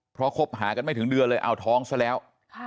เพราะคบหากันไม่ถึงเดือนเลยเอาท้องซะแล้ว